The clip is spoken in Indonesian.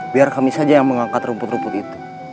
biar kami saja yang mengangkat rumput rumput itu